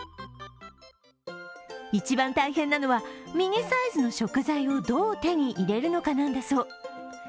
一番大変なのは、ミニサイズの食材をどう手に入れるかなんだそう。